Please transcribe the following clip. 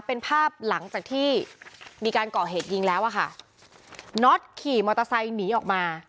เป็นภาพหลังจากที่มีการก่อเหตุยิงแล้วอะค่ะน็อตขี่มอเตอร์ไซค์หนีออกมา